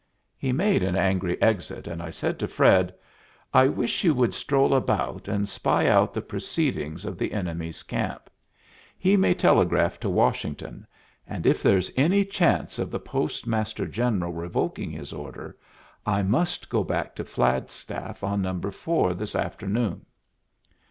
He made an angry exit, and I said to Fred, "I wish you would stroll about and spy out the proceedings of the enemy's camp. He may telegraph to Washington, and if there's any chance of the Postmaster General revoking his order I must go back to Flagstaff on No. 4 this afternoon."